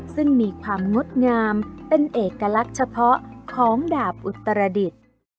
ซึ่งมีความงดงามเป็นเอกลักษณ์เฉพาะของดาบอุตรดิษฐ์